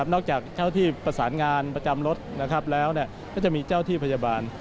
จากเจ้าที่ประสานงานประจำรถแล้วก็จะมีเจ้าที่พยาบาล